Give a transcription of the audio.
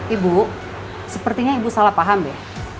ibu sepertinya ibu salah paham ya